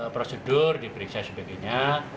prosedur diperiksa sebagainya